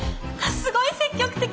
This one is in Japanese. すごい積極的。